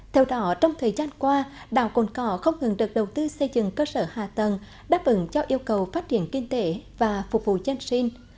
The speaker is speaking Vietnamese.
theo đó trong thời gian qua đảo cồn cỏ không ngừng được đầu tư xây dựng cơ sở hạ tầng đáp ứng cho yêu cầu phát triển kinh tế và phục vụ dân sinh